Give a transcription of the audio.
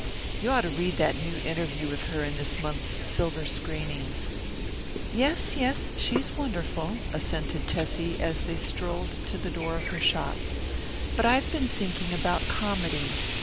You ought to read that new interview with her in this month's Silver Screenings." "Yes, yes, she's wonderful," assented Tessie as they strolled to the door of her shop. "But I've been thinking about comedy.